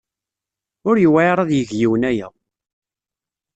Ur yewɛiṛ ad yeg yiwen aya.